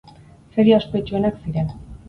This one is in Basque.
Feria ospetsuenak ziren.